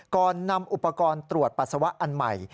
ก่อนนำอุปกรณ์ตรวจปัสสาวะอันใหม่